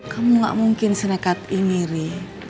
kamu gak mungkin senekat ini ri